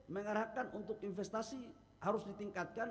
mengarahkan untuk investasi harus ditingkatkan